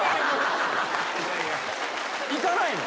行かないの。